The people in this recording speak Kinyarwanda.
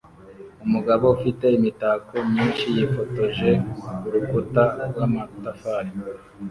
Umugabo ufite imitako myinshi yifotoje kurukuta rwamatafari